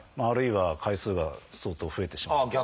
あるいは回数が相当増えてしまう。